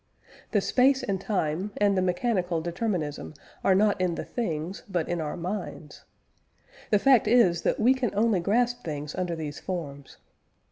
The space and time, and the mechanical determinism are not in the things, but in our minds. The fact is that we can only grasp things under these forms.